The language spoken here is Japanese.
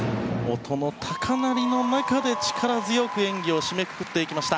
音の高鳴りの中で力強く演技を締めくくっていきました。